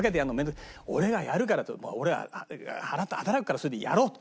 俺がやるから俺が働くからそれでやろうと。